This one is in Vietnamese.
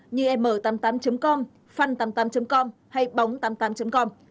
như m tám mươi tám com fund tám mươi tám com hay bóng tám mươi tám com